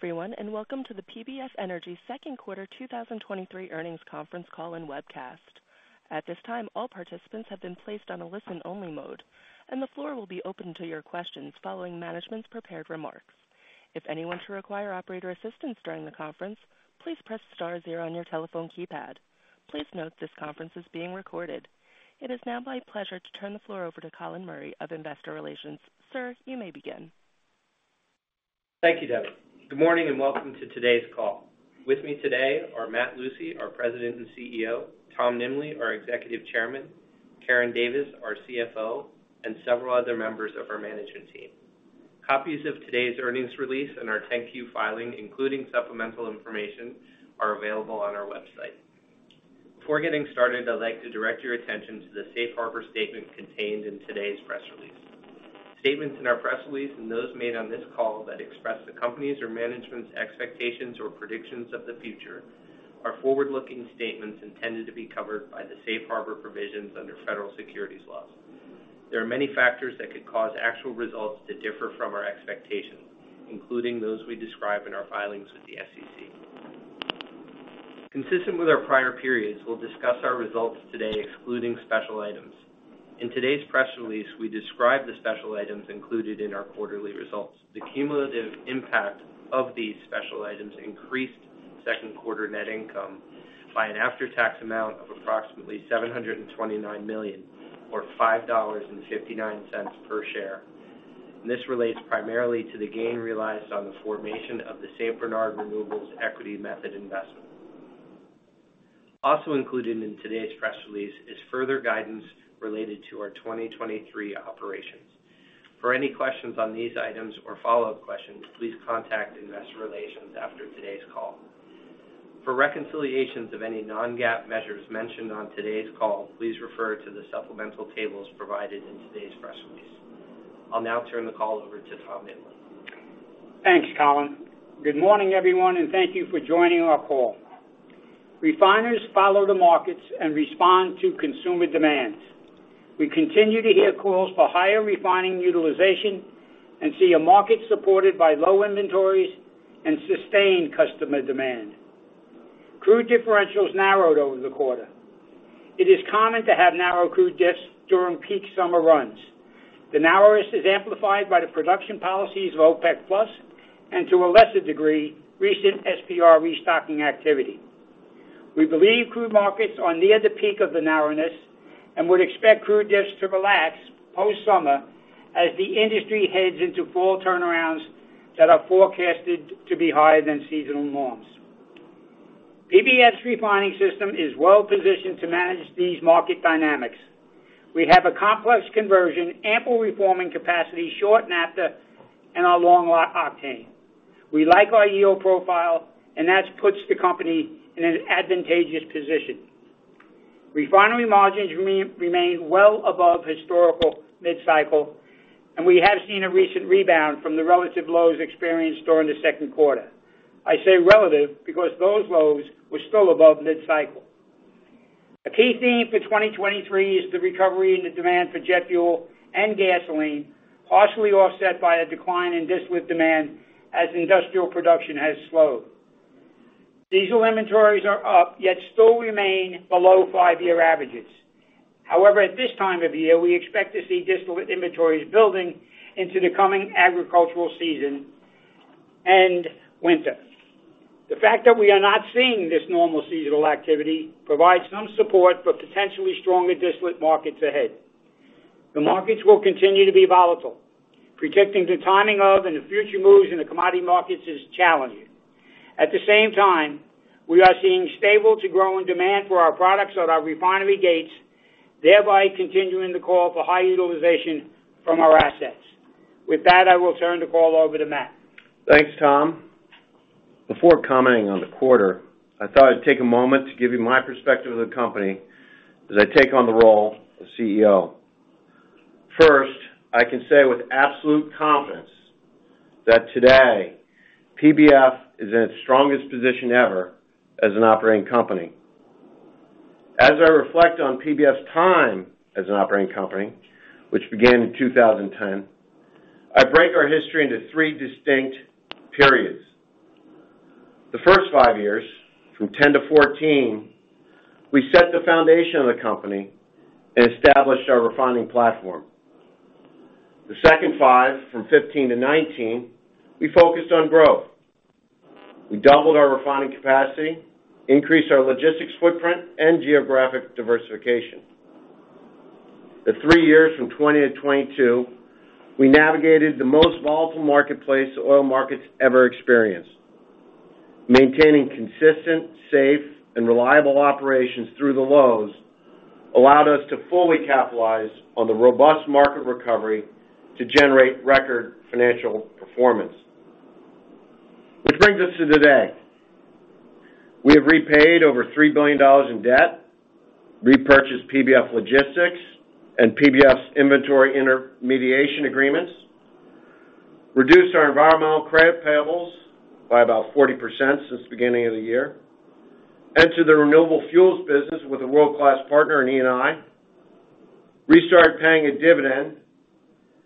Hey, everyone, welcome to the PBF Energy Second Quarter 2023 Earnings Conference Call and Webcast. At this time, all participants have been placed on a listen-only mode, and the floor will be open to your questions following management's prepared remarks. If anyone should require operator assistance during the conference, please press star zero on your telephone keypad. Please note this conference is being recorded. It is now my pleasure to turn the floor over to Colin Murray of Investor Relations. Sir, you may begin. Thank you, Debbie. Good morning, and welcome to today's call. With me today are Matt Lucey, our President and CEO, Tom Nimbley, our Executive Chairman, Karen Davis, our CFO, and several other members of our management team. Copies of today's earnings release and our 10-Q filing, including supplemental information, are available on our website. Before getting started, I'd like to direct your attention to the Safe Harbor statement contained in today's press release. Statements in our press release and those made on this call that express the company's or management's expectations or predictions of the future are forward-looking statements intended to be covered by the Safe Harbor provisions under federal securities laws. There are many factors that could cause actual results to differ from our expectations, including those we describe in our filings with the SEC. Consistent with our prior periods, we'll discuss our results today, excluding special items. In today's press release, we describe the special items included in our quarterly results. The cumulative impact of these special items increased second-quarter net income by an after-tax amount of approximately $729 million, or $5.59 per share. This relates primarily to the gain realized on the formation of the St. Bernard Renewables equity-method investment. Also included in today's press release is further guidance related to our 2023 operations. For any questions on these items or follow-up questions, please contact Investor Relations after today's call. For reconciliations of any non-GAAP measures mentioned on today's call, please refer to the supplemental tables provided in today's press release. I'll now turn the call over to Tom Nimbley. Thanks, Colin. Good morning, everyone, and thank you for joining our call. Refiners follow the markets and respond to consumer demands. We continue to hear calls for higher refining utilization and see a market supported by low inventories and sustained customer demand. Crude differentials narrowed over the quarter. It is common to have narrow crude diffs during peak summer runs. The narrowness is amplified by the production policies of OPEC+ and, to a lesser degree, recent SPR restocking activity. We believe crude markets are near the peak of the narrowness and would expect crude diffs to relax post-summer as the industry heads into fall turnarounds that are forecasted to be higher than seasonal norms. PBF's refining system is well-positioned to manage these market dynamics. We have a complex conversion, ample reforming capacity, short naphtha, and our long octane. We like our yield profile, that puts the company in an advantageous position. Refinery margins remain well above historical mid-cycle, and we have seen a recent rebound from the relative lows experienced during the second quarter. I say relative because those lows were still above mid-cycle. A key theme for 2023 is the recovery in the demand for jet fuel and gasoline, partially offset by a decline in distillate demand as industrial production has slowed. Diesel inventories are up, yet still remain below five year averages. However, at this time of year, we expect to see distillate inventories building into the coming agricultural season and winter. The fact that we are not seeing this normal seasonal activity provides some support for potentially stronger distillate markets ahead. The markets will continue to be volatile. Predicting the timing of and the future moves in the commodity markets is challenging. At the same time, we are seeing stable to growing demand for our products at our refinery gates, thereby continuing the call for high utilization from our assets. With that, I will turn the call over to Matt. Thanks, Tom. Before commenting on the quarter, I thought I'd take a moment to give you my perspective of the company as I take on the role of CEO. First, I can say with absolute confidence that today, PBF is in its strongest position ever as an operating company. As I reflect on PBF's time as an operating company, which began in 2010, I break our history into three distinct periods. The first five years, from 2010-2014, we set the foundation of the company and established our refining platform. The second five, from 2015-2019, we focused on growth. We doubled our refining capacity, increased our logistics footprint, and geographic diversification. The three years from 2020-2022, we navigated the most volatile marketplace the oil market's ever experienced. Maintaining consistent, safe, and reliable operations through the lows allowed us to fully capitalize on the robust market recovery to generate record financial performance. Which brings us to today. We have repaid over $3 billion in debt, repurchased PBF Logistics and PBF's inventory intermediation agreements, reduced our environmental credit payables by about 40% since the beginning of the year, entered the renewable fuels business with a world-class partner in ENI. We started paying a dividend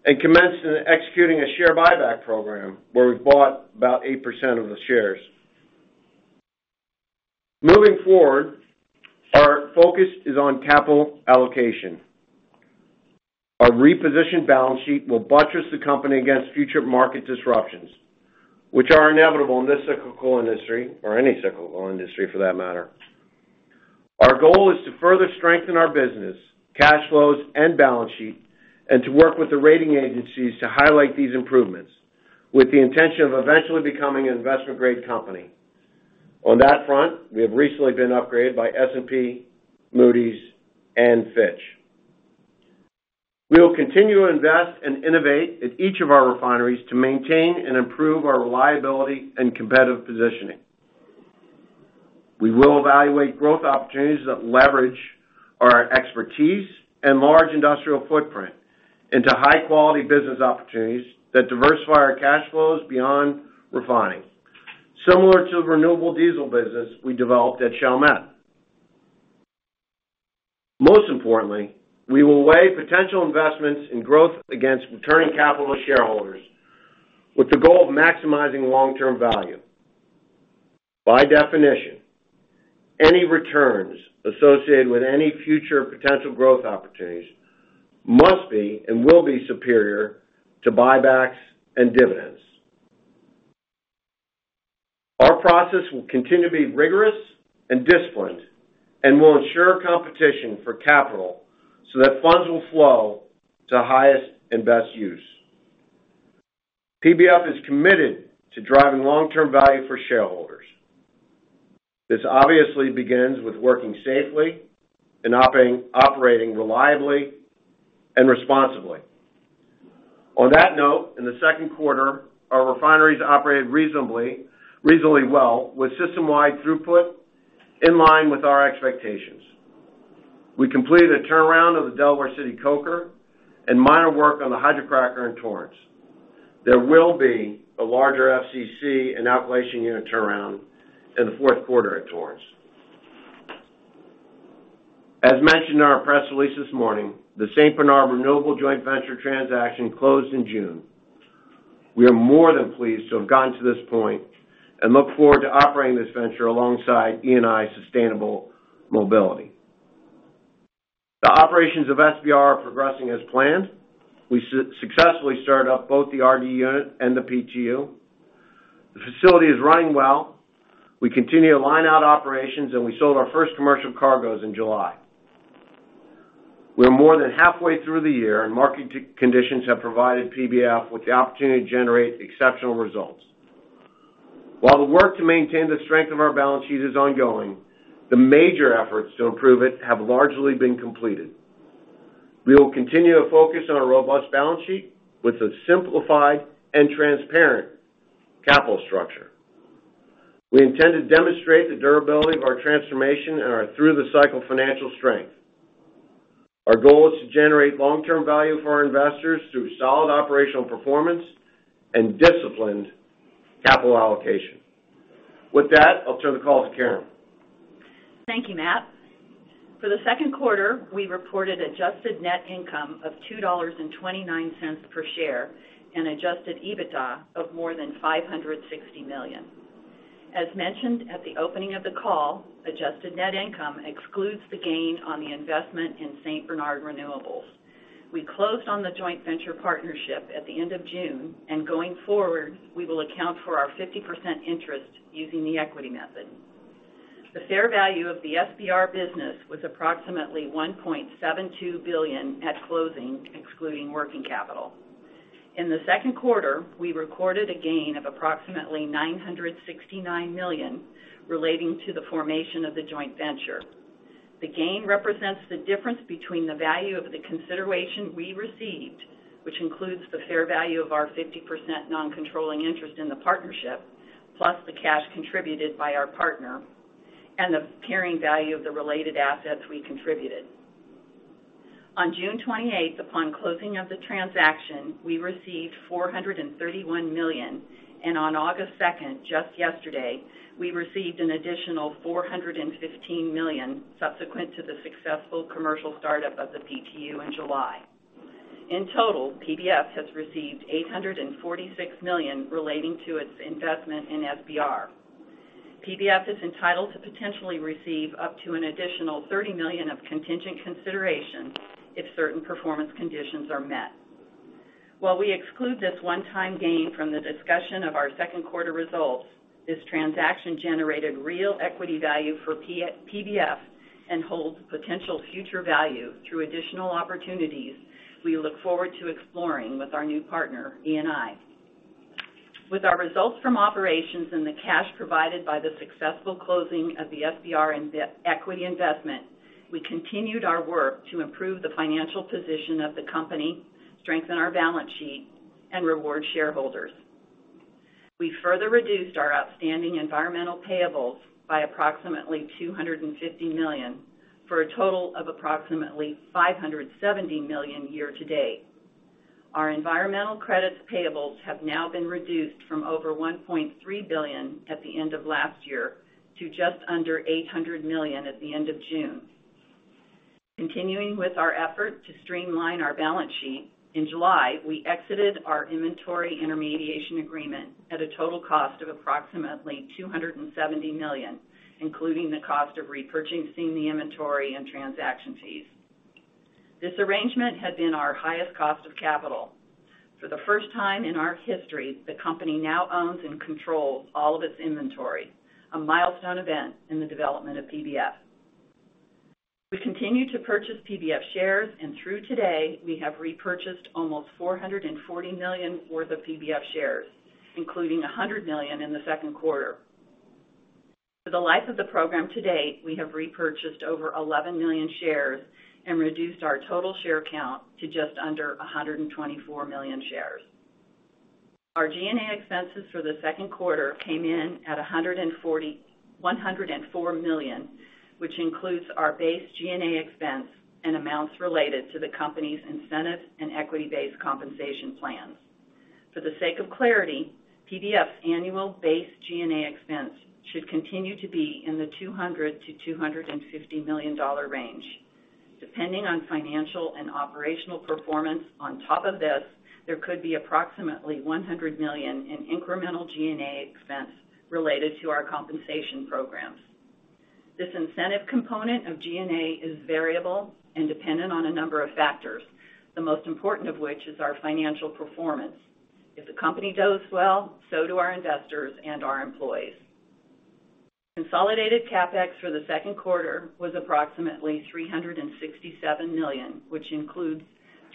and commenced in executing a share buyback program, where we bought about 8% of the shares. Moving forward, our focus is on capital allocation. Our repositioned balance sheet will buttress the company against future market disruptions, which are inevitable in this cyclical industry or any cyclical industry for that matter. Our goal is to further strengthen our business, cash flows, and balance sheet, and to work with the rating agencies to highlight these improvements, with the intention of eventually becoming an investment-grade company. On that front, we have recently been upgraded by S&P, Moody's, and Fitch. We will continue to invest and innovate at each of our refineries to maintain and improve our reliability and competitive positioning. We will evaluate growth opportunities that leverage our expertise and large industrial footprint into high-quality business opportunities that diversify our cash flows beyond refining, similar to the renewable diesel business we developed at Chalmette. Most importantly, we will weigh potential investments in growth against returning capital to shareholders, with the goal of maximizing long-term value. By definition, any returns associated with any future potential growth opportunities must be and will be superior to buybacks and dividends. Our process will continue to be rigorous and disciplined and will ensure competition for capital so that funds will flow to highest and best use. PBF is committed to driving long-term value for shareholders. This obviously begins with working safely and operating reliably and responsibly. On that note, in the second quarter, our refineries operated reasonably well, with system-wide throughput in line with our expectations. We completed a turnaround of the Delaware City coker and minor work on the hydrocracker in Torrance. There will be a larger FCC and alkylation unit turnaround in the fourth quarter at Torrance. As mentioned in our press release this morning, the St. Bernard Renewables joint venture transaction closed in June. We are more than pleased to have gotten to this point and look forward to operating this venture alongside ENI Sustainable Mobility. The operations of SBR are progressing as planned. We successfully started up both the RD unit and the PTU. The facility is running well. We continue to line out operations. We sold our first commercial cargoes in July. We are more than halfway through the year. Market conditions have provided PBF with the opportunity to generate exceptional results. While the work to maintain the strength of our balance sheet is ongoing, the major efforts to improve it have largely been completed. We will continue to focus on a robust balance sheet with a simplified and transparent capital structure. We intend to demonstrate the durability of our transformation and our through-the-cycle financial strength. Our goal is to generate long-term value for our investors through solid operational performance and disciplined capital allocation. With that, I'll turn the call to Karen. Thank you, Matt. For the second quarter, we reported adjusted net income of $2.29 per share and adjusted EBITDA of more than $560 million. As mentioned at the opening of the call, adjusted net income excludes the gain on the investment in St. Bernard Renewables. We closed on the joint venture partnership at the end of June, going forward, we will account for our 50% interest using the equity method. The fair value of the SBR business was approximately $1.72 billion at closing, excluding working capital. In the second quarter, we recorded a gain of approximately $969 million relating to the formation of the joint venture. The gain represents the difference between the value of the consideration we received, which includes the fair value of our 50% non-controlling interest in the partnership, plus the cash contributed by our partner and the carrying value of the related assets we contributed. On June 28th, upon closing of the transaction, we received $431 million, and on August 2nd, just yesterday, we received an additional $415 million subsequent to the successful commercial startup of the PTU in July. In total, PBF has received $846 million relating to its investment in SBR. PBF is entitled to potentially receive up to an additional $30 million of contingent consideration if certain performance conditions are met. While we exclude this one-time gain from the discussion of our second quarter results, this transaction generated real equity value for PBF and holds potential future value through additional opportunities we look forward to exploring with our new partner, ENI. With our results from operations and the cash provided by the successful closing of the SBR and the equity investment, we continued our work to improve the financial position of the company, strengthen our balance sheet, and reward shareholders. We further reduced our outstanding environmental payables by approximately $250 million, for a total of approximately $570 million year to date. Our environmental credits payables have now been reduced from over $1.3 billion at the end of last year to just under $800 million at the end of June. Continuing with our effort to streamline our balance sheet, in July, we exited our inventory intermediation agreement at a total cost of approximately $270 million, including the cost of repurchasing the inventory and transaction fees. This arrangement had been our highest cost of capital. For the first time in our history, the company now owns and controls all of its inventory, a milestone event in the development of PBF. We continue to purchase PBF shares, and through today, we have repurchased almost $440 million worth of PBF shares, including $100 million in the second quarter. For the life of the program to date, we have repurchased over 11 million shares and reduced our total share count to just under 124 million shares. Our G&A expenses for the second quarter came in at $104 million, which includes our base G&A expense and amounts related to the company's incentive and equity-based compensation plans. For the sake of clarity, PBF's annual base G&A expense should continue to be in the $200 million-$250 million range. Depending on financial and operational performance, on top of this, there could be approximately $100 million in incremental G&A expense related to our compensation programs. This incentive component of G&A is variable and dependent on a number of factors, the most important of which is our financial performance. If the company does well, so do our investors and our employees. Consolidated CapEx for the second quarter was approximately $367 million, which includes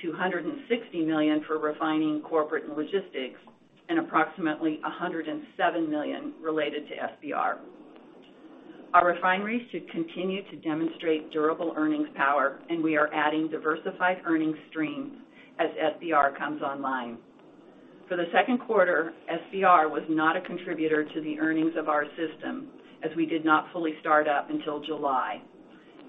$260 million for refining corporate and logistics and approximately $107 million related to SBR. Our refineries should continue to demonstrate durable earnings power, and we are adding diversified earnings streams as SBR comes online. For the second quarter, SBR was not a contributor to the earnings of our system as we did not fully start up until July.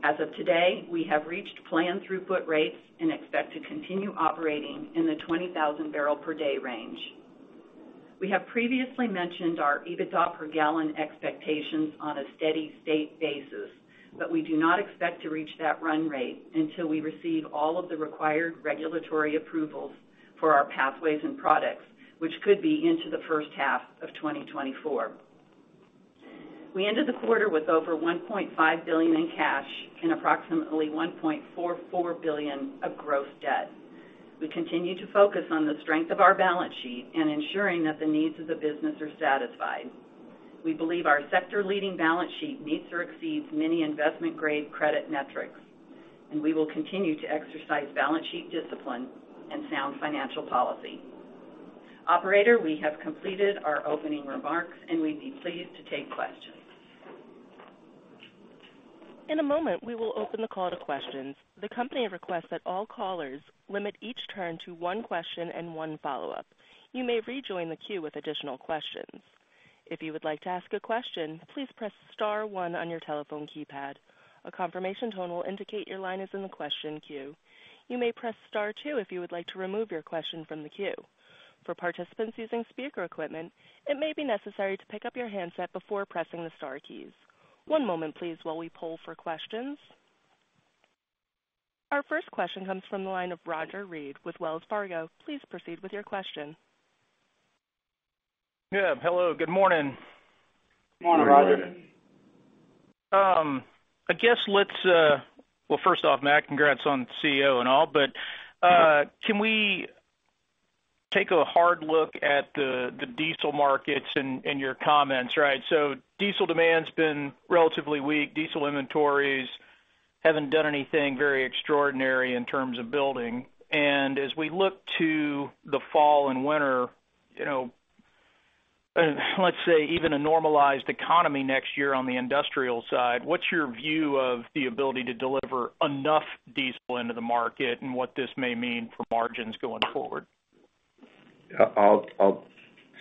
As of today, we have reached planned throughput rates and expect to continue operating in the 20,000 barrel per day range. We have previously mentioned our EBITDA per gallon expectations on a steady state basis, but we do not expect to reach that run rate until we receive all of the required regulatory approvals for our pathways and products, which could be into the first half of 2024. We ended the quarter with over $1.5 billion in cash and approximately $1.44 billion of gross debt. We continue to focus on the strength of our balance sheet and ensuring that the needs of the business are satisfied. We believe our sector-leading balance sheet meets or exceeds many investment-grade credit metrics, and we will continue to exercise balance sheet discipline and sound financial policy. Operator, we have completed our opening remarks, and we'd be pleased to take questions. In a moment, we will open the call to questions. The company requests that all callers limit each turn to one question and one follow-up. You may rejoin the queue with additional questions. If you would like to ask a question, please press star one on your telephone keypad. A confirmation tone will indicate your line is in the question queue. You may press star two if you would like to remove your question from the queue. For participants using speaker equipment, it may be necessary to pick up your handset before pressing the star keys. One moment, please, while we poll for questions. Our first question comes from the line of Roger Read with Wells Fargo. Please proceed with your question. Yeah. Hello, good morning. Morning, Roger. I guess let's... Well, first off, Matt, congrats on CEO and all. Can we take a hard look at the, the diesel markets and, and your comments, right? Diesel demand's been relatively weak. Diesel inventories haven't done anything very extraordinary in terms of building. As we look to the fall and winter, you know, let's say even a normalized economy next year on the industrial side, what's your view of the ability to deliver enough diesel into the market and what this may mean for margins going forward? I'll, I'll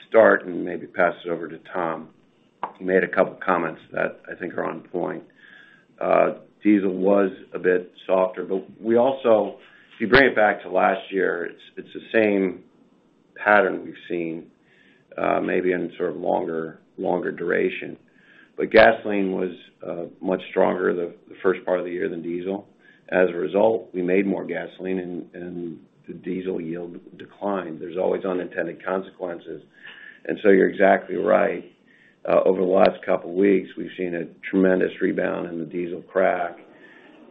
start and maybe pass it over to Tom. He made a couple comments that I think are on point. diesel was a bit softer, but we also if you bring it back to last year, it's, it's the same pattern we've seen, maybe in sort of longer, longer duration. gasoline was much stronger the, the first part of the year than diesel. As a result, we made more gasoline and, and the diesel yield declined. There's always unintended consequences. You're exactly right. Over the last couple weeks, we've seen a tremendous rebound in the diesel crack,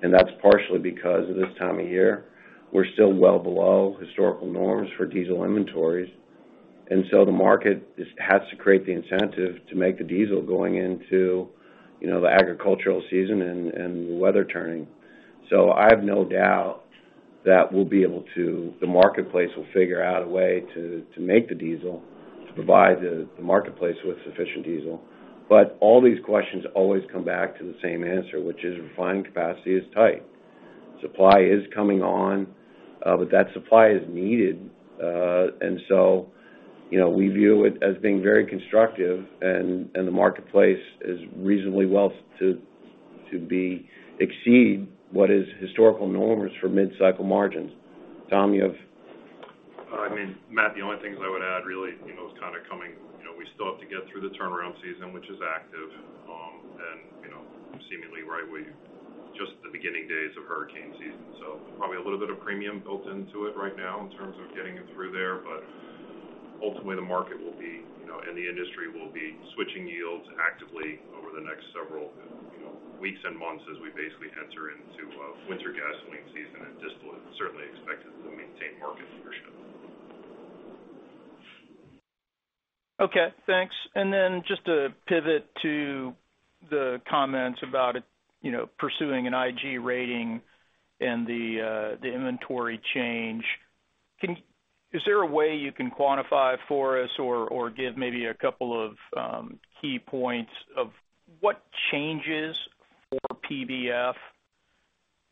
and that's partially because of this time of year. We're still well below historical norms for diesel inventories, and so the market has to create the incentive to make the diesel going into, you know, the agricultural season and, and the weather turning. I have no doubt that we'll be able to the marketplace will figure out a way to, to make the diesel, to provide the, the marketplace with sufficient diesel. All these questions always come back to the same answer, which is refining capacity is tight. Supply is coming on, but that supply is needed. So, you know, we view it as being very constructive, and, and the marketplace is reasonably well.to be exceed what is historical norms for mid-cycle margins. Tom, you have? I mean, Matt, the only things I would add really, you know, is kind of coming, you know, we still have to get through the turnaround season, which is active, and, you know, seemingly right, just the beginning days of hurricane season. Probably a little bit of premium built into it right now in terms of getting it through there. Ultimately, the market will be, you know, and the industry will be switching yields actively over the next several, you know, weeks and months as we basically enter into winter gasoline season, and DISCO is certainly expected to maintain market leadership. Okay, thanks. Then just to pivot to the comments about, you know, pursuing an IG rating and the inventory change. Is there a way you can quantify for us or, or give maybe a couple of key points of what changes for PBF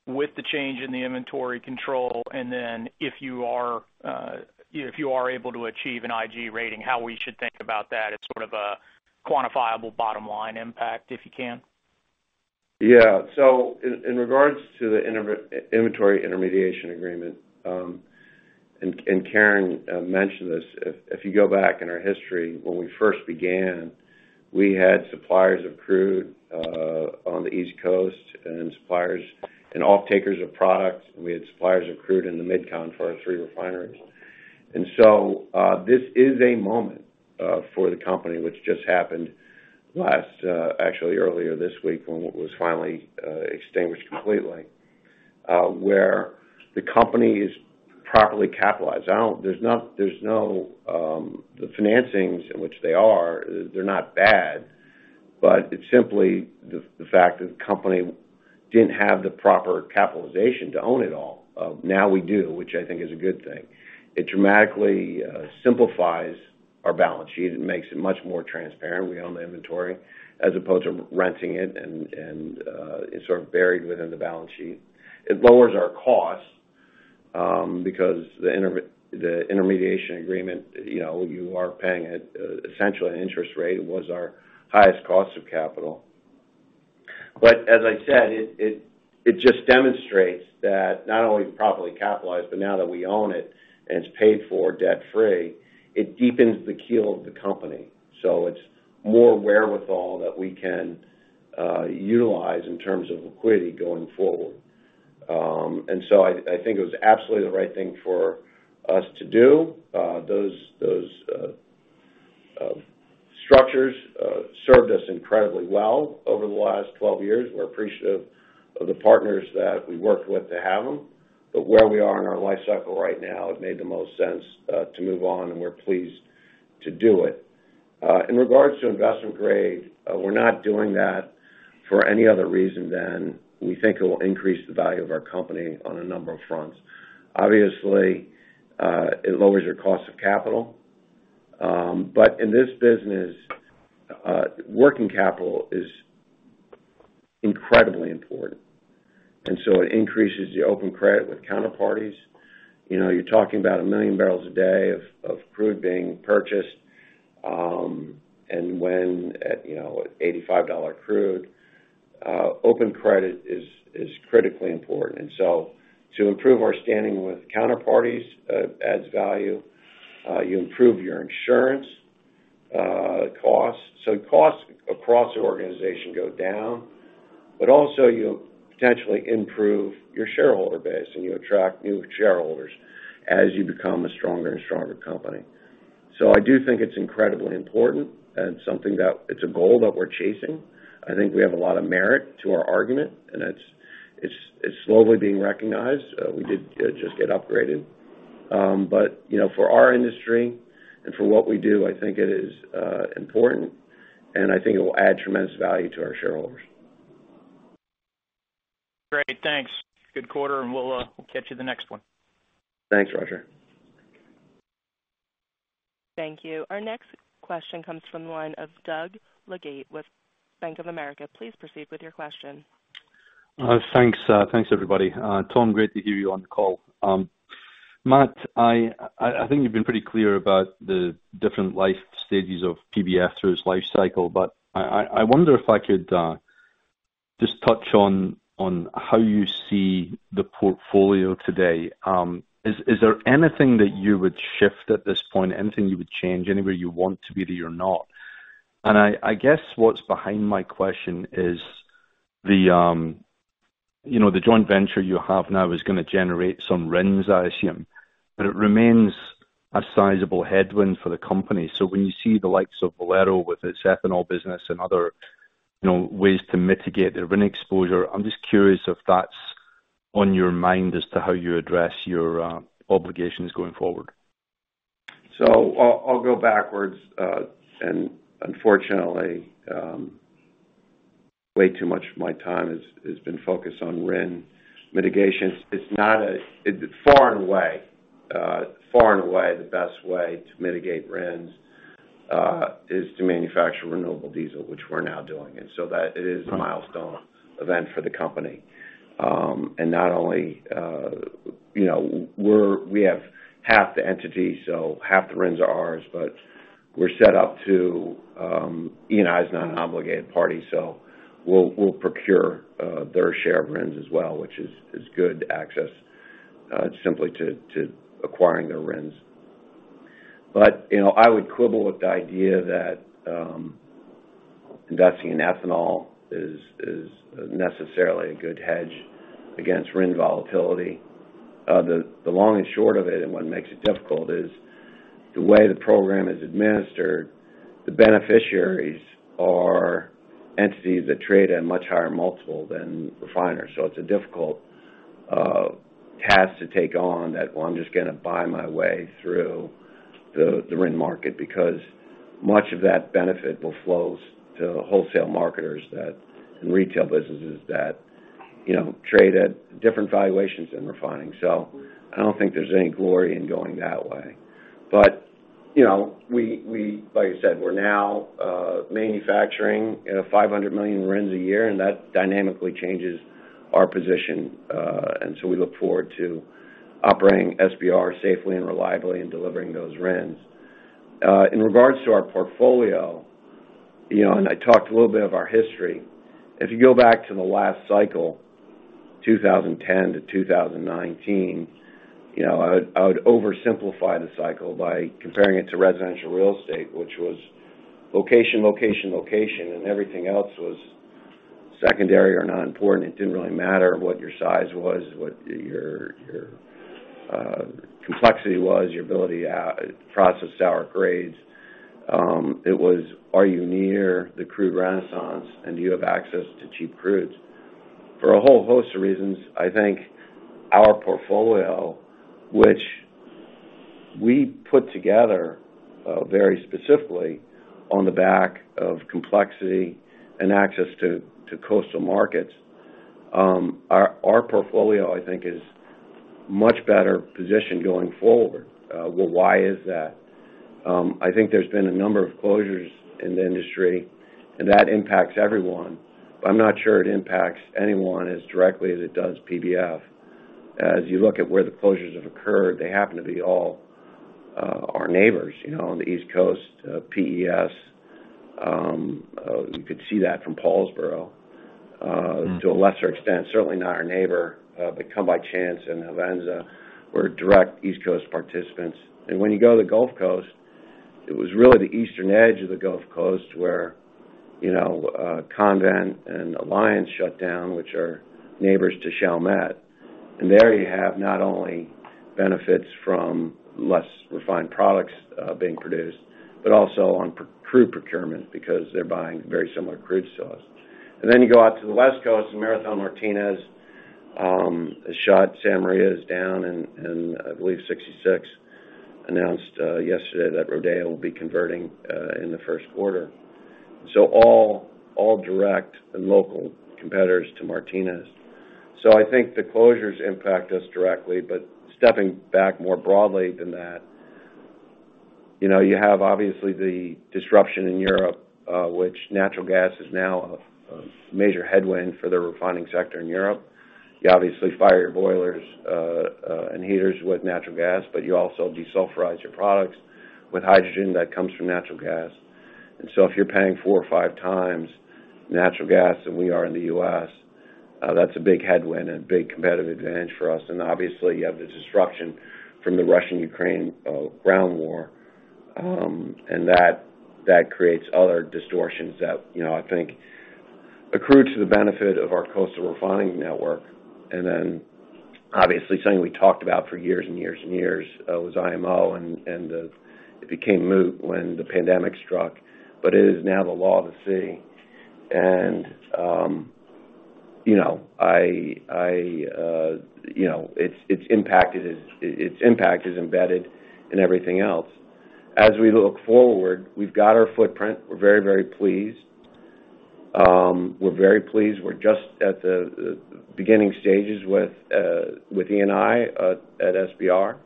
with the change in the inventory control, and then if you are able to achieve an IG rating, how we should think about that as sort of a quantifiable bottom line impact, if you can? Yeah. In, in regards to the inventory intermediation agreement, and Karen mentioned this. If, if you go back in our history, when we first began, we had suppliers of crude on the East Coast and suppliers and off-takers of products. We had suppliers of crude in the Mid-Con for our 3 refineries. This is a moment for the company, which just happened last actually earlier this week, when it was finally extinguished completely, where the company is properly capitalized. I don't. There's no, the financings in which they are, they're not bad, but it's simply the fact that the company didn't have the proper capitalization to own it all. We do, which I think is a good thing. It dramatically simplifies our balance sheet. It makes it much more transparent. We own the inventory as opposed to renting it, and it's sort of buried within the balance sheet. It lowers our costs because the intermediation agreement, you know, you are paying at, essentially, an interest rate, was our highest cost of capital. As I said, it, it, it just demonstrates that not only properly capitalized, but now that we own it and it's paid for debt-free, it deepens the keel of the company. It's more wherewithal that we can utilize in terms of liquidity going forward. I, I think it was absolutely the right thing for us to do. Those, those structures served us incredibly well over the last 12 years. We're appreciative of the partners that we worked with to have them, but where we are in our life cycle right now, it made the most sense, to move on, and we're pleased to do it. In regards to investment grade, we're not doing that for any other reason than we think it will increase the value of our company on a number of fronts. Obviously, it lowers your cost of capital, but in this business, working capital is incredibly important, and so it increases your open credit with counterparties. You know, you're talking about 1 million barrels a day of, of crude being purchased, and when, at, you know, at $85 crude, open credit is, is critically important. So to improve our standing with counterparties, adds value, you improve your insurance, costs. Costs across the organization go down, but also you potentially improve your shareholder base, and you attract new shareholders as you become a stronger and stronger company. I do think it's incredibly important and something that, it's a goal that we're chasing. I think we have a lot of merit to our argument, and it's slowly being recognized. We did just get upgraded. You know, for our industry and for what we do, I think it is important, and I think it will add tremendous value to our shareholders. Great, thanks. Good quarter, and we'll, we'll catch you the next one. Thanks, Roger. Thank you. Our next question comes from the line of Doug Leggate with Bank of America. Please proceed with your question. Thanks, thanks, everybody. Tom, great to hear you on the call. Matt, I, I, I think you've been pretty clear about the different life stages of PBF through its life cycle, but I, I, I wonder if I could just touch on, on how you see the portfolio today. Is, is there anything that you would shift at this point, anything you would change, anywhere you want to be that you're not? I, I guess what's behind my question is the, you know, the joint venture you have now is gonna generate some RINS, I assume, but it remains a sizable headwind for the company. When you see the likes of Valero with its ethanol business and other, you know, ways to mitigate their RIN exposure, I'm just curious if that's on your mind as to how you address your obligations going forward. I'll, I'll go backwards, and unfortunately, way too much of my time has, has been focused on RIN mitigation. Far and away, far and away, the best way to mitigate RINs is to manufacture renewable diesel, which we're now doing, and so that it is a milestone event for the company. Not only, you know, we have half the entity, so half the RINs are ours, but we're set up to, ENI is not an obligated party, so we'll, we'll procure their share of RINs as well, which is good access simply to acquiring their RINs. You know, I would quibble with the idea that investing in ethanol is, is necessarily a good hedge against RIN volatility. The, the long and short of it, and what makes it difficult, is the way the program is administered, the beneficiaries are entities that trade at a much higher multiple than refiners. It's a difficult task to take on that, well, I'm just gonna buy my way through the, the RIN market, because much of that benefit will flow to wholesale marketers that, and retail businesses that, you know, trade at different valuations than refining. I don't think there's any glory in going that way. You know, we, like I said, we're now manufacturing, you know, 500 million RINs a year, and that dynamically changes our position. We look forward to operating SBR safely and reliably in delivering those RINs. In regards to our portfolio, you know, and I talked a little bit of our history. If you go back to the last cycle, 2010 to 2019, you know, I would, I would oversimplify the cycle by comparing it to residential real estate, which was location, location, location, and everything else was secondary or not important. It didn't really matter what your size was, what your, your complexity was, your ability to process sour grades. It was, are you near the crude renaissance, and do you have access to cheap crudes? For a whole host of reasons, I think our portfolio, which we put together very specifically on the back of complexity and access to, to coastal markets, our, our portfolio, I think, is much better positioned going forward. Well, why is that? I think there's been a number of closures in the industry, and that impacts everyone. I'm not sure it impacts anyone as directly as it does PBF. As you look at where the closures have occurred, they happen to be all, our neighbors, you know, on the East Coast, PES. You could see that from Paulsboro, to a lesser extent, certainly not our neighbor, but Come By Chance, and Hovensa were direct East Coast participants. When you go to the Gulf Coast, it was really the eastern edge of the Gulf Coast where, you know, Convent and Alliance shut down, which are neighbors to Chalmette. There you have not only benefits from less refined products, being produced, but also on crude procurement because they're buying very similar crude to us. You go out to the West Coast, and Marathon Martinez is shut, Santa Maria is down, and I believe 66 announced yesterday that Rodeo will be converting in the first quarter. All, all direct and local competitors to Martinez. I think the closures impact us directly. Stepping back more broadly than that, you know, you have obviously the disruption in Europe, which natural gas is now a major headwind for the refining sector in Europe. You obviously fire your boilers and heaters with natural gas, but you also desulfurize your products with hydrogen that comes from natural gas. If you're paying four or five times natural gas than we are in the U.S., that's a big headwind and a big competitive advantage for us. Obviously, you have the disruption from the Russian-Ukraine ground war, and that, that creates other distortions that, you know, I think accrue to the benefit of our coastal refining network. Then, obviously, something we talked about for years and years and years was IMO, and, and, it became moot when the pandemic struck, but it is now the law of the sea. You know, I, I, you know, it's, it's impact is, its impact is embedded in everything else. As we look forward, we've got our footprint. We're very, very pleased. We're very pleased. We're just at the, the beginning stages with ENI at SBR.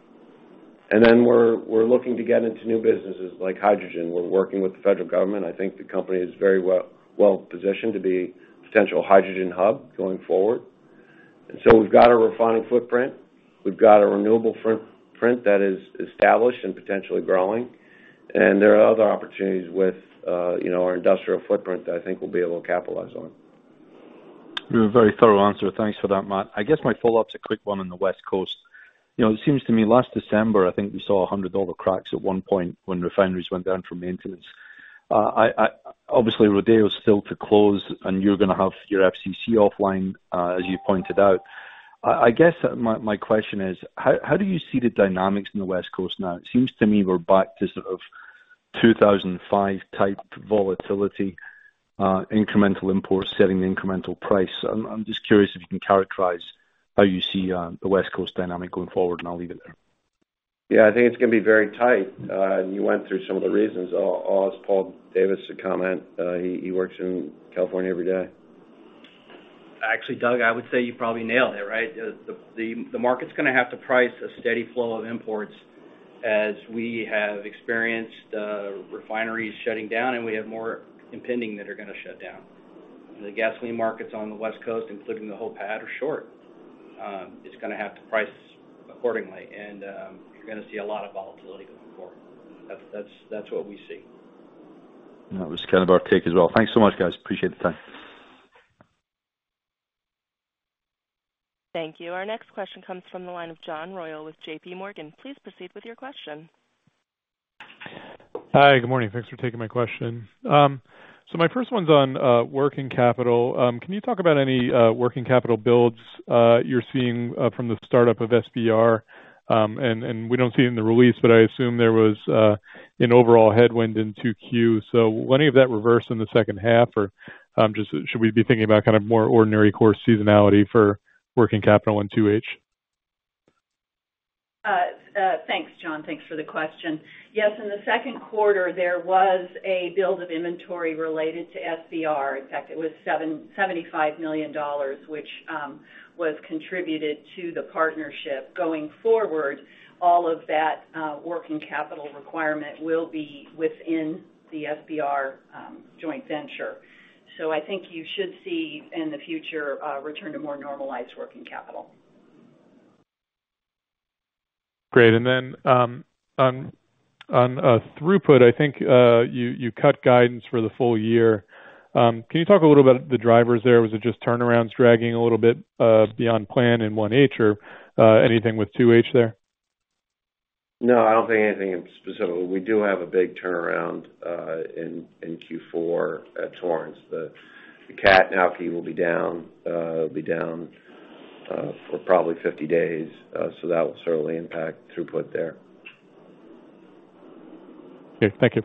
Then we're, we're looking to get into new businesses like hydrogen. We're working with the federal government. I think the company is very well, well positioned to be a potential hydrogen hub going forward. We've got a refining footprint, we've got a renewable footprint that is established and potentially growing, and there are other opportunities with, you know, our industrial footprint that I think we'll be able to capitalize on. Very thorough answer. Thanks for that, Matt. I guess my follow-up is a quick one on the West Coast. You know, it seems to me last December, I think we saw $100 cracks at one point when refineries went down for maintenance. I obviously, Rodeo is still to close, and you're gonna have your FCC offline, as you pointed out. I guess my question is: how, how do you see the dynamics in the West Coast now? It seems to me we're back to sort of 2005-type volatility, incremental imports setting the incremental price. I'm just curious if you can characterize how you see the West Coast dynamic going forward, and I'll leave it there. Yeah, I think it's gonna be very tight. You went through some of the reasons. I'll ask Paul Davis to comment. He works in California every day. Actually, Doug, I would say you probably nailed it, right? The market's gonna have to price a steady flow of imports as we have experienced, refineries shutting down, and we have more impending that are gonna shut down. The gasoline markets on the West Coast, including the whole PADD, are short. It's gonna have to price accordingly, and, you're gonna see a lot of volatility going forward. That's, that's, that's what we see. That was kind of our take as well. Thanks so much, guys. Appreciate the time. Thank you. Our next question comes from the line of John Royall with JPMorgan. Please proceed with your question. Hi, good morning. Thanks for taking my question. My first one's on working capital. Can you talk about any working capital builds you're seeing from the startup of SBR? We don't see it in the release, but I assume there was an overall headwind in 2Q. Will any of that reverse in the second half, or just should we be thinking about kind of more ordinary course seasonality for working capital in 2H? Thanks, John. Thanks for the question. Yes, in the second quarter, there was a build of inventory related to SBR. In fact, it was $75 million, which was contributed to the partnership. Going forward, all of that working capital requirement will be within the SBR joint venture. I think you should see in the future, return to more normalized working capital. Great. On, on throughput, I think, you, you cut guidance for the full year. Can you talk a little about the drivers there? Was it just turnarounds dragging a little bit beyond plan in 1 H, or anything with 2 H there? No, I don't think anything in specific. We do have a big turnaround, in, in Q4 at Torrance. The FCC will be down, be down for probably 50 days. That will certainly impact throughput there. Okay, thank you.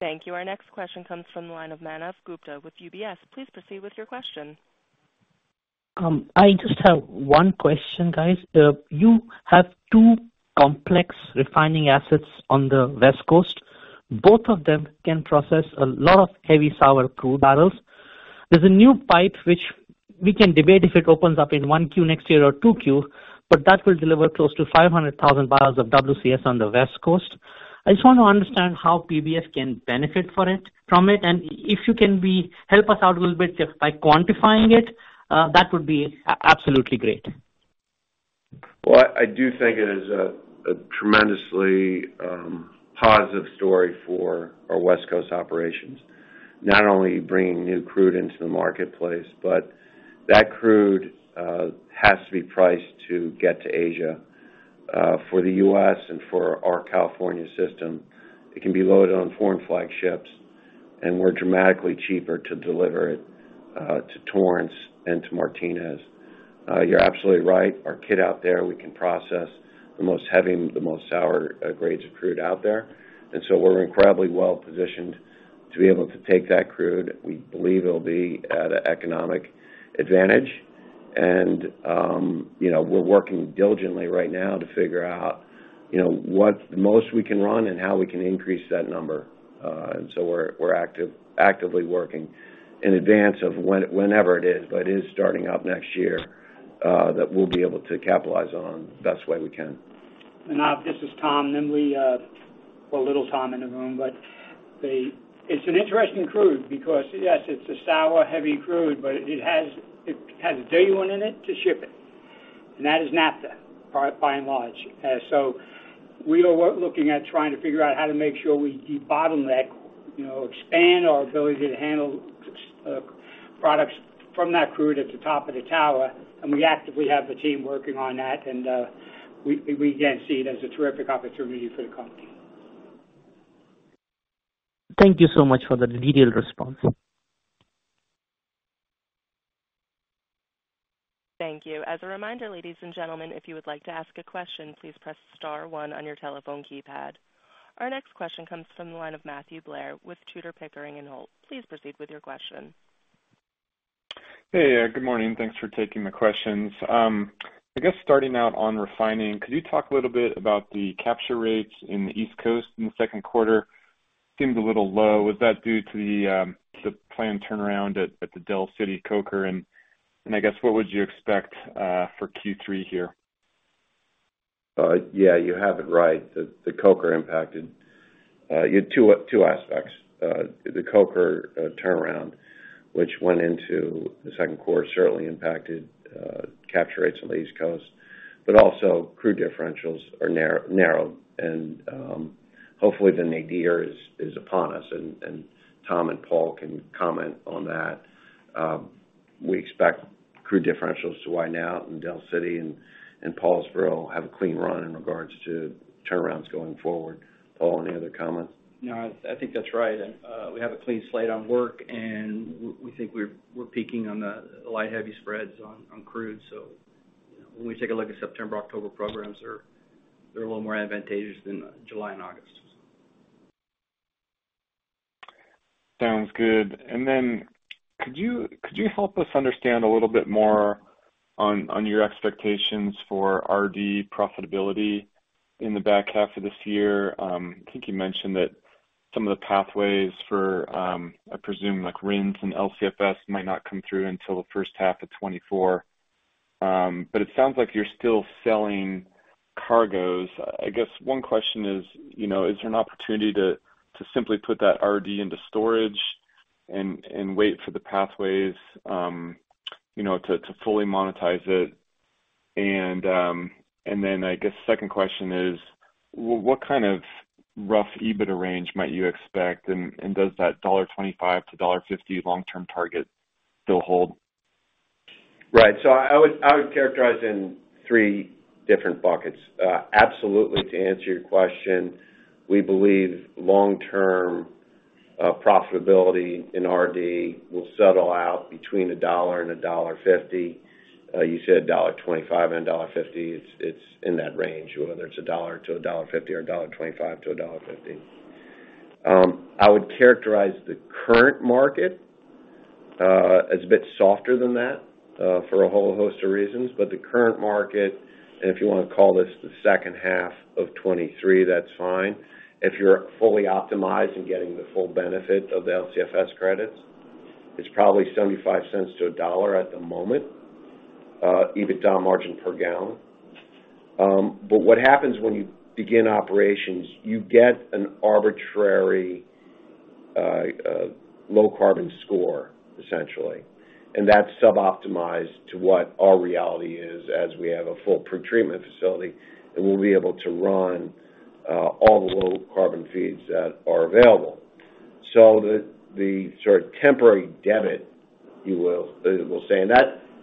Thank you. Our next question comes from the line of Manav Gupta with UBS. Please proceed with your question. I just have one question, guys. You have two complex refining assets on the West Coast. Both of them can process a lot of heavy sour crude barrels. There's a new pipe which we can debate if it opens up in 1Q next year or 2Q, but that will deliver close to 500,000 barrels of WCS on the West Coast. I just want to understand how PBF can benefit from it, and if you can help us out a little bit just by quantifying it, that would be absolutely great. Well, I, I do think it is a tremendously positive story for our West Coast operations, not only bringing new crude into the marketplace, but that crude has to be priced to get to Asia. For the U.S. and for our California system, it can be loaded on foreign flagships, and we're dramatically cheaper to deliver it to Torrance and to Martinez. You're absolutely right. Our kit out there, we can process the most heavy, the most sour grades of crude out there, and so we're incredibly well positioned to be able to take that crude. We believe it'll be at an economic advantage. You know, we're working diligently right now to figure out, you know, what's the most we can run and how we can increase that number. We're, we're actively working in advance of whenever it is, but it is starting up next year, that we'll be able to capitalize on the best way we can. Manav, this is Tom. We... well, little Tom in the room, but it's an interesting crude because, yes, it's a sour, heavy crude, but it has, it has a day one in it to ship it, and that is naphtha, by and large. We are looking at trying to figure out how to make sure we debottleneck, you know, expand our ability to handle products from that crude at the top of the tower, and we actively have the team working on that, and we again see it as a terrific opportunity for the company. Thank you so much for the detailed response. Thank you. As a reminder, ladies and gentlemen, if you would like to ask a question, please press star one on your telephone keypad. Our next question comes from the line of Matthew Blair with Tudor, Pickering, and Holt. Please proceed with your question. Good morning. Thanks for taking the questions. I guess starting out on refining, could you talk a little bit about the capture rates in the East Coast in the second quarter? Seemed a little low. Was that due to the planned turnaround at, at the Del City coker? I guess what would you expect for Q3 here? Yeah, you have it right. The coker impacted, you know, two aspects. The coker turnaround, which went into the second quarter, certainly impacted capture rates on the East Coast, but also crude differentials are narrowed. Hopefully, the new year is upon us, and Tom and Paul can comment on that. We expect crude differentials to widen out, and Del City and Paulsboro have a clean run in regards to turnarounds going forward. Paul, any other comments? No, I, I think that's right. We have a clean slate on work, and we think we're, we're peaking on the light, heavy spreads on, on crude. When we take a look at September, October programs, they're, they're a little more advantageous than July and August. Sounds good. Could you, could you help us understand a little bit more on, on your expectations for RD profitability in the back half of this year? I think you mentioned that some of the pathways for, I presume, like, RINs and LCFS might not come through until the first half of 2024. It sounds like you're still selling cargoes. I, I guess one question is, you know, is there an opportunity to, to simply put that RD into storage and, and wait for the pathways, you know, to, to fully monetize it? I guess second question is, what kind of rough EBITDA range might you expect, and, and does that $1.25-$1.50 long-term target still hold? Right. I would, I would characterize in three different buckets. Absolutely, to answer your question, we believe long-term, profitability in RD will settle out between $1-$1.50. You said $1.25-$1.50, it's, it's in that range, whether it's $1-$1.50 or $1.25-$1.50. I would characterize the current market as a bit softer than that, for a whole host of reasons. The current market, and if you wanna call this the second half of 2023, that's fine. If you're fully optimized and getting the full benefit of the LCFS credits, it's probably $0.75-$1 at the moment, EBITDA margin per gallon. But what happens when you begin operations, you get an arbitrary low carbon score, essentially, and that's sub-optimized to what our reality is as we have a full pretreatment facility, and we'll be able to run all the low carbon feeds that are available. So the sort of temporary debit, you will, we'll say, and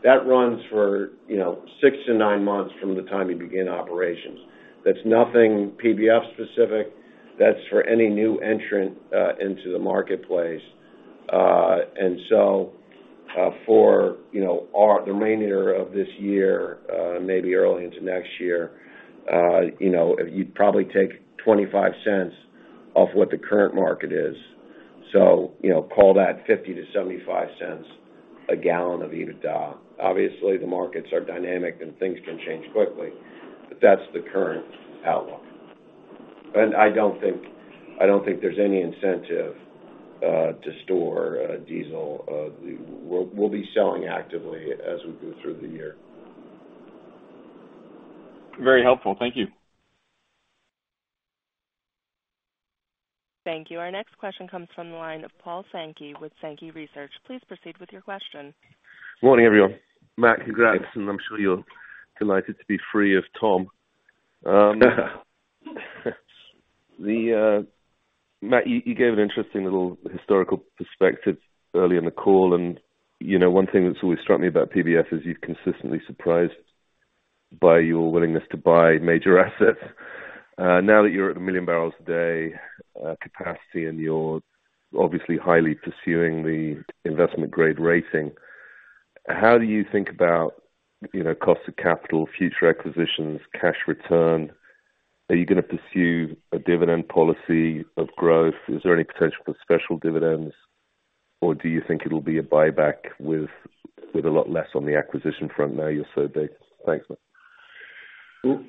that runs for, you know, six to nine months from the time you begin operations. That's nothing PBF specific. That's for any new entrant into the marketplace. And so for, you know, the remainder of this year, maybe early into next year, you know, you'd probably take $0.25 off what the current market is. So, you know, call that $0.50-$0.75 a gallon of EBITDA. Obviously, the markets are dynamic and things can change quickly, but that's the current outlook. I don't think, I don't think there's any incentive to store diesel. We'll, we'll be selling actively as we go through the year. Very helpful. Thank you. Thank you. Our next question comes from the line of Paul Sankey, with Sankey Research. Please proceed with your question. Morning, everyone. Matt, congrats, and I'm sure you're delighted to be free of Tom. Matt, you, you gave an interesting little historical perspective early in the call, and, you know, one thing that's always struck me about PBF is you're consistently surprised by your willingness to buy major assets. Now that you're at 1 million barrels a day capacity, and you're obviously highly pursuing the investment-grade rating, how do you think about, you know, cost of capital, future acquisitions, cash return? Are you gonna pursue a dividend policy of growth? Is there any potential for special dividends, or do you think it'll be a buyback with, with a lot less on the acquisition front now you're so big? Thanks, Matt. Okay,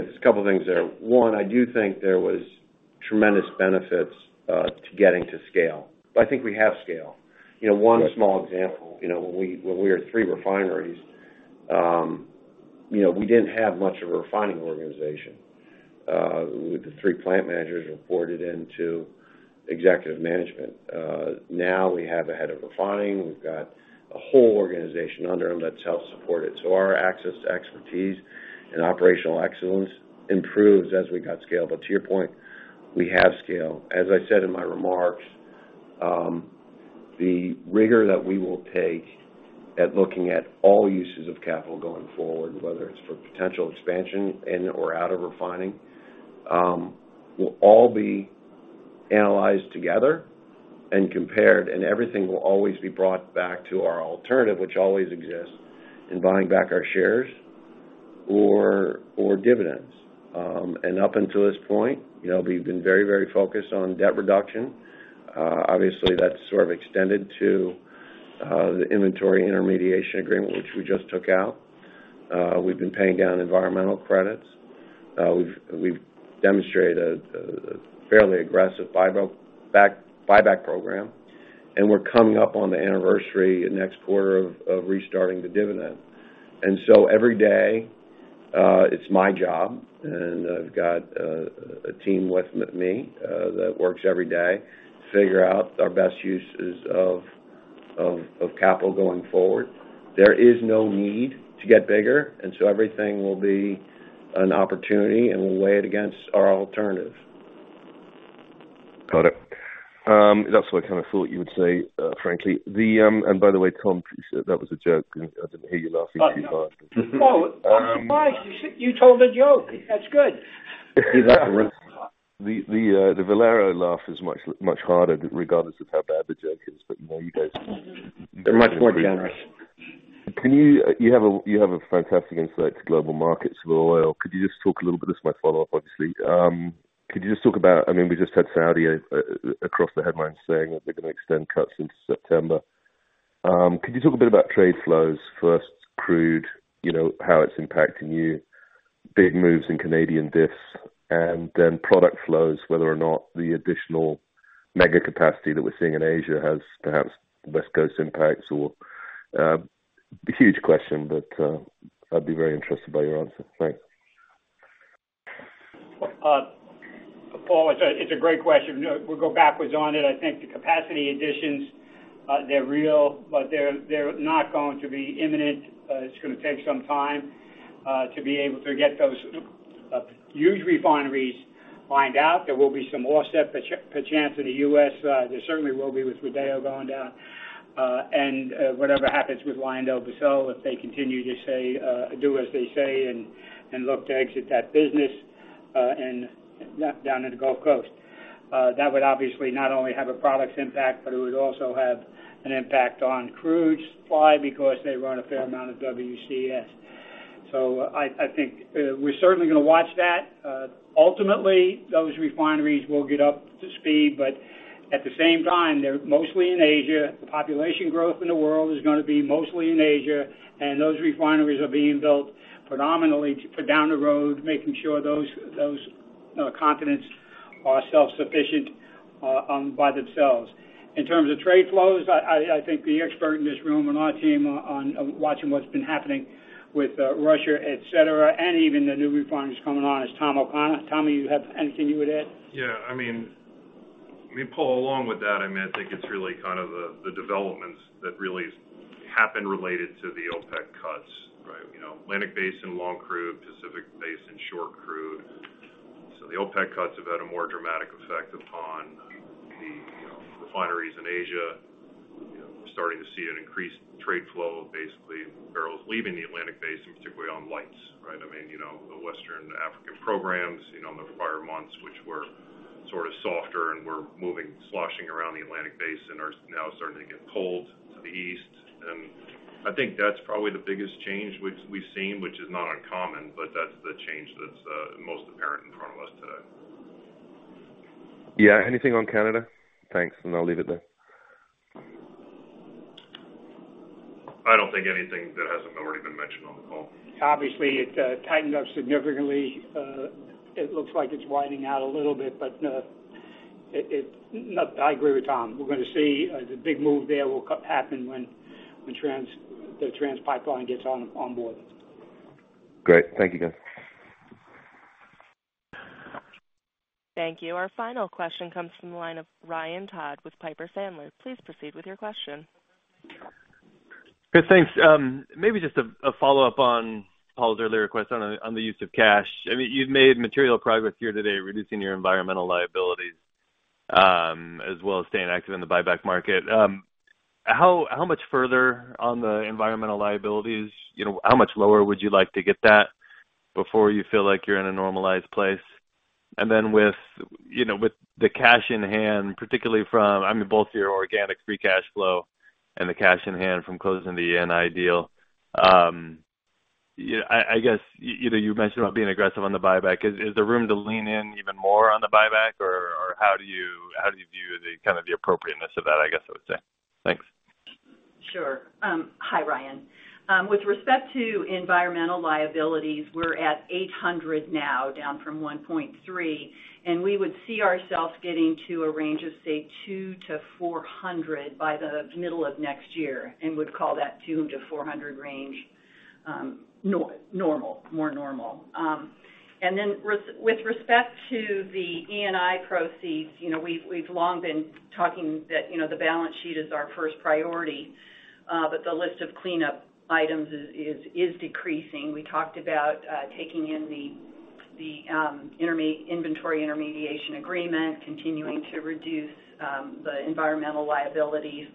there's a couple things there. One, I do think there was tremendous benefits to getting to scale. I think we have scale. You know- Right. One small example, you know, when we, when we were three refineries, you know, we didn't have much of a refining organization. The three plant managers reported into executive management. Now we have a head of refining. We've got a whole organization under them that's self-supported. Our access to expertise and operational excellence improved as we got scale. To your point, we have scale. As I said in my remarks, the rigor that we will take at looking at all uses of capital going forward, whether it's for potential expansion in or out of refining, will all be analyzed together and compared, and everything will always be brought back to our alternative, which always exists, in buying back our shares or, or dividends. Up until this point, you know, we've been very, very focused on debt reduction. Obviously, that's sort of extended to the inventory intermediation agreement, which we just took out. We've been paying down environmental credits. We've demonstrated a fairly aggressive buyback program, and we're coming up on the anniversary next quarter of restarting the dividend. So every day, it's my job, and I've got a team with me that works every day to figure out our best uses of capital going forward. There is no need to get bigger, and so everything will be an opportunity, and we'll weigh it against our alternative. Got it. That's what I kind of thought you would say, frankly. By the way, Tom, that was a joke. I didn't hear you laughing too hard. Oh, I'm surprised you said-- you told a joke. That's good. The Valero laugh is much, much harder, regardless of how bad the joke is, but, you know, you guys. They're much more generous. You have a fantastic insight to global markets for oil. Could you just talk a little bit. This is my follow-up, obviously. Could you just talk about, I mean, we just had Saudi across the headlines saying that they're gonna extend cuts into September. Could you talk a bit about trade flows, first crude, you know, how it's impacting you, big moves in Canadian diffs, and then product flows, whether or not the additional mega capacity that we're seeing in Asia has perhaps West Coast impacts or a huge question, but I'd be very interested by your answer. Thanks. Paul, it's a, it's a great question. No, we'll go backwards on it. I think the capacity additions, they're real, but they're, they're not going to be imminent. It's going to take some time, to be able to get those huge refineries lined out. There will be some offset per chance in the U.S. There certainly will be with Rodeo going down, and whatever happens with LyondellBasell, if they continue to say, do as they say and, and look to exit that business, and down in the Gulf Coast. That would obviously not only have a product impact, but it would also have an impact on crude supply because they run a fair amount of WCS. I, I think, we're certainly going to watch that. Ultimately, those refineries will get up to speed, but at the same time, they're mostly in Asia. The population growth in the world is gonna be mostly in Asia, and those refineries are being built predominantly for down the road, making sure those, those continents are self-sufficient by themselves. In terms of trade flows, I, I, I think the expert in this room on our team on watching what's been happENIng with Russia, et cetera, and even the new refineries coming on, is Tom Nimbley. Tommy, you have anything you would add? Yeah, I mean, I mean, Paul, along with that, I mean, I think it's really kind of the developments that really have been related to the OPEC cuts. You know, Atlantic Basin, long crude, Pacific Basin, short crude. The OPEC cuts have had a more dramatic effect upon the, you know, refineries in Asia. We're starting to see an increased trade flow, basically, barrels leaving the Atlantic Basin, particularly on lights. I mean, you know, the Western African programs, you know, in the prior months, which were sort of softer and were moving, sloshing around the Atlantic Basin, are now starting to get pulled to the east. I think that's probably the biggest change which we've seen, which is not uncommon, but that's the change that's most apparent in front of us today. Yeah. Anything on Canada? Thanks. I'll leave it there. I don't think anything that hasn't already been mentioned on the call. Obviously, it tightened up significantly. It looks like it's widening out a little bit, but I agree with Tom. We're gonna see, the big move there will happen when the Trans Pipeline gets on board. Great. Thank you, guys. Thank you. Our final question comes from the line of Ryan Todd with Piper Sandler. Please proceed with your question. Good, thanks. Maybe just a follow-up on Paul's earlier request on the use of cash. I mean, you've made material progress here today, reducing your environmental liabilities, as well as staying active in the buyback market. How much further on the environmental liabilities, you know, how much lower would you like to get that before you feel like you're in a normalized place? Then with, you know, with the cash in hand, particularly from, I mean, both your organic free cash flow and the cash in hand from closing the ENI deal, I guess, you mentioned about being aggressive on the buyback. Is there room to lean in even more on the buyback, or how do you view the appropriateness of that, I guess I would say? Thanks. Sure. Hi, Ryan. With respect to environmental liabilities, we're at $800 now, down from $1.3, we would see ourselves getting to a range of, say, $200-$400 by the middle of next year, would call that $200-$400 range normal, more normal. With respect to the ENI proceeds, you know, we've, we've long been talking that, you know, the balance sheet is our first priority, but the list of cleanup items is decreasing. We talked about taking in the Inventory Intermediation Agreement, continuing to reduce the environmental liabilities.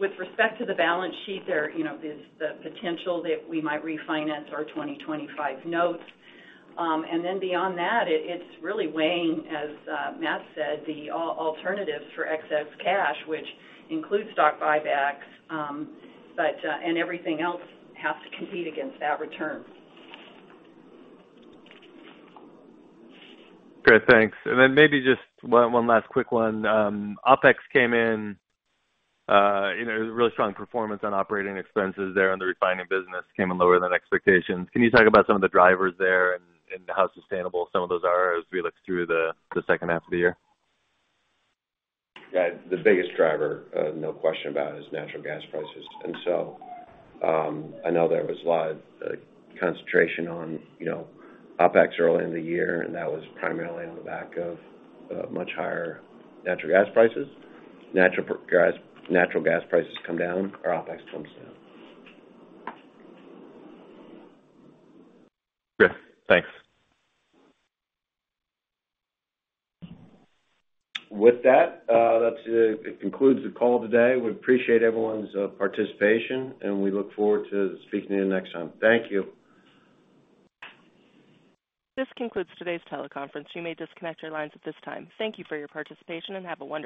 With respect to the balance sheet, there, you know, there's the potential that we might refinance our 2025 notes. And then beyond that, it's really weighing, as Matt said, the alternatives for excess cash, which includes stock buybacks, and everything else has to compete against that return. Great, thanks. Then maybe just one, one last quick one. OpEx came in, you know, really strong performance on operating expenses there, and the refining business came in lower than expectations. Can you talk about some of the drivers there and, and how sustainable some of those are as we look through the, the second half of the year? Yeah. The biggest driver, no question about it, is natural gas prices. I know there was a lot of concentration on, you know, OpEx early in the year, and that was primarily on the back of much higher natural gas prices. Natural gas, natural gas prices come down, our OpEx comes down. Great. Thanks. With that, that's, it concludes the call today. We appreciate everyone's participation. We look forward to speaking to you next time. Thank you. This concludes today's teleconference. You may disconnect your lines at this time. Thank you for your participation, and have a wonderful day.